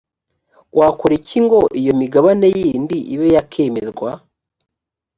wakora iki se ngo iyo migabane yindi ibe yakemererwa